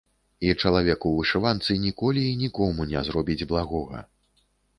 І чалавек у вышыванцы ніколі і нікому не зробіць благога.